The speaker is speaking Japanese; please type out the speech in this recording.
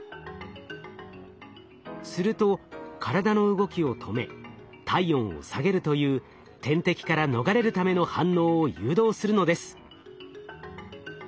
すると体の動きを止め体温を下げるという天敵から逃れるための反応を誘導するのです。